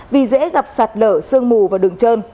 vì dễ gặp sạt lở sương mù và đường trơn